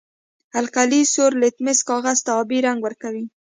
القلي سور لتمس کاغذ ته آبي رنګ ورکوي.